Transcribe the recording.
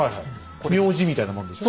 名字みたいなもんでしょ？